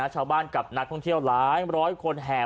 ชาวบ้านกับนักท่องเที่ยวหลายร้อยคนแห่